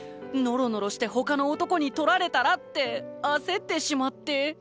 ノロノロしてほかの男に取られたらって焦ってしまって。